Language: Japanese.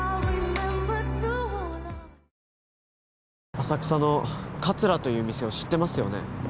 浅草のかつらという店を知ってますよね？